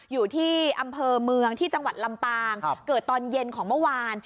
อยู่ที่อำเภอเมืองที่จังหวัดลำปางเกิดตอนเย็นของเมื่อวาน